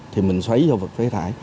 thì mình xoáy vật phế thải